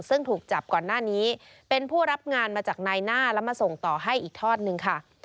ซึ่งถูกจับก่อนหน้านี้เป็นผู้รับงานมาจากนายหน้าแล้วมาส่งต่อให้อีกทอดหนึ่งค่ะ